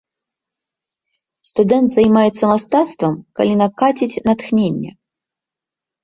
Студэнт займаецца мастацтвам, калі накаціць натхненне.